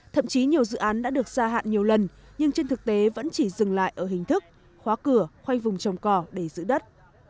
thậm chí nhiều dự án đã được gia hạn nhiều lần nhưng trên thực tế vẫn chỉ dừng lại ở hình thức khóa cửa khoanh vùng trồng cỏ để giữ đất